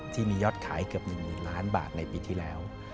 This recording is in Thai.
ที่มียอดขายเกือบ๑๐๐๐ล้านบาทในปีที่แล้ว